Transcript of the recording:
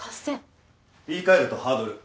言い換えるとハードル。